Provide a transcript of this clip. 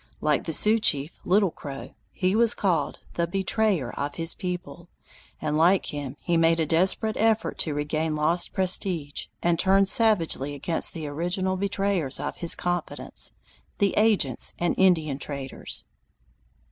Like the Sioux chief Little Crow, he was called "the betrayer of his people", and like him he made a desperate effort to regain lost prestige, and turned savagely against the original betrayers of his confidence, the agents and Indian traders.